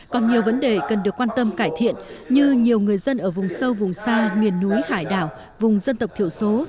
còn nhiều vấn đề cần được quan tâm cải thiện như nhiều người dân ở vùng sâu vùng xa miền núi hải đảo vùng dân tộc thiểu số